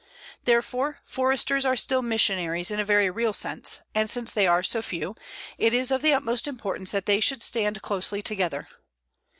Therefore, Foresters are still missionaries in a very real sense, and since they are so few, it is of the utmost importance that they should stand closely together.